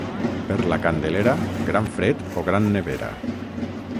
Per la Candelera, gran fred o gran nevera.